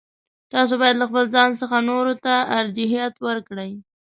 تاسو باید له خپل ځان څخه نورو ته ارجحیت ورکړئ.